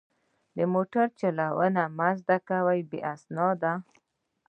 د موټر چلوونه مه زده کوه بې استاده.